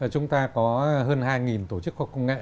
chúng ta có hơn hai tổ chức khoa học công nghệ